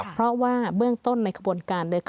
เพราะว่าเบื้องต้นในกระบวนการ